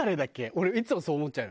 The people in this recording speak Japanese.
俺いつもそう思っちゃう。